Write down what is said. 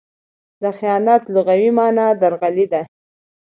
د خیانت لغوي مانا؛ درغلي ده.